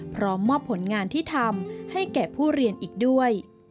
พร้อมมอบผลงานที่ทำให้แก่ผู้เรียนอีกด้วย